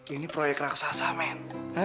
ini proyek raksasa men